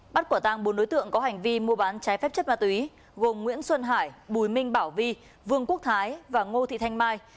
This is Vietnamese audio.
bắt quả tăng bốn đối tượng có hành vi mua bán trái phép chất ma túy gồm nguyễn xuân hải bùi minh bảo vi vương quốc thái và ngô thị thanh mai